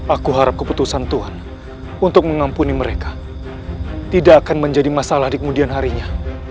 aku harap keputusan tuhan untuk mengampuni mereka tidak akan menjadi masalah di kemudian harinya